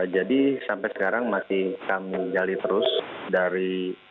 jadi sampai sekarang masih kami gali terus dari